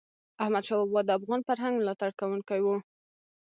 احمدشاه بابا د افغان فرهنګ ملاتړ کوونکی و.